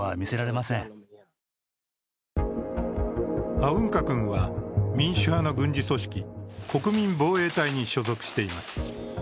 アウンカ君は民主派の軍事組織、国民防衛隊に所属しています。